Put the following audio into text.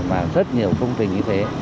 mà rất nhiều công trình như thế